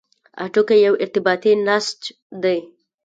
هډوکی یو ارتباطي نسج دی.